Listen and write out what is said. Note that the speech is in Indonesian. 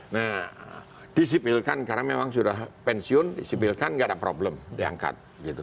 nah disipilkan karena memang sudah pensiun disipilkan nggak ada problem diangkat